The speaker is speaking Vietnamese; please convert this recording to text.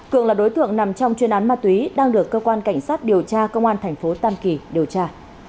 cường là đối tượng nằm trong chuyên án ma túy đang được cơ quan cảnh sát điều tra công an thành phố tam kỳ điều tra